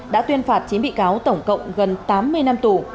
đã tuyên phạt chín bị cáo tổng cộng gần tám mươi năm tù